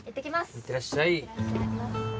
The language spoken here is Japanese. いってらっしゃい